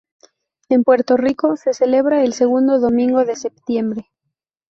En Puerto Rico, se celebra el segundo domingo de septiembre.